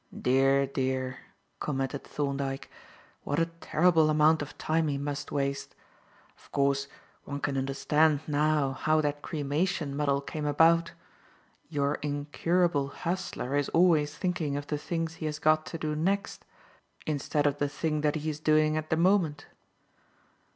"Dear, dear," commented Thorndyke, "what a terrible amount of time he must waste. Of course, one can understand now how that cremation muddle came about. Your incurable hustler is always thinking of the things he has got to do next instead of the thing that he is doing at the moment.